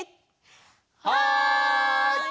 はい！